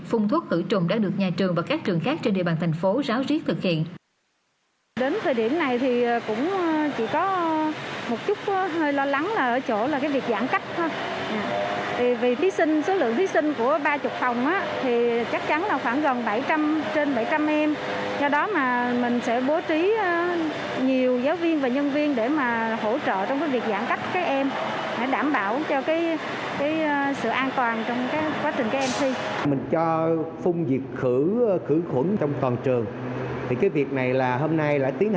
phung thuốc khử trùng đã được nhà trường và các trường khác trên địa bàn thành phố ráo riết thực hiện